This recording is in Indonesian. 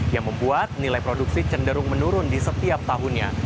yang membuat nilai produksi cenderung menurun di setiap tahunnya